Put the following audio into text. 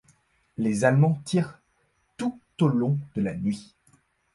Les Allemands tirent tout au long de la nuit.